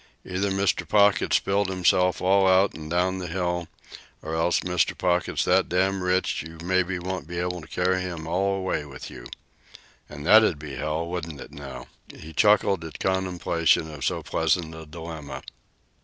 Either Mr. Pocket's spilled himself all out an' down the hill, or else Mr. Pocket's so rich you maybe won't be able to carry him all away with you. And that'd be an awful shame, wouldn't it, now?" He chuckled at contemplation of so pleasant a dilemma.